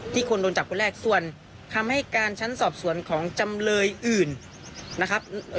คนโดนจับคนแรกส่วนคำให้การชั้นสอบสวนของจำเลยอื่นนะครับ